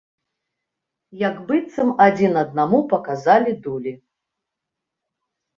Як быццам адзін аднаму паказалі дулі.